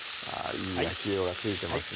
いい焼き色がついてますね